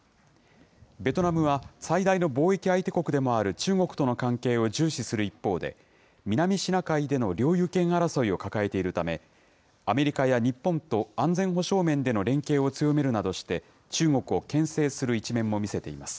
ベトナムは、最大の貿易相手国でもある中国との関係を重視する一方で、南シナ海での領有権争いを抱えているため、アメリカや日本と安全保障面での連携を強めるなどして、中国をけん制する一面も見せています。